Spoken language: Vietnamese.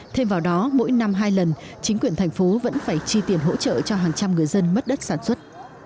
thêm vào đó mỗi năm hai lần chính quyền thành phố vẫn phải chi tiền hỗ trợ cho hàng trăm người dân mất đất sản xuất